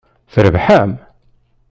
Trebḥem?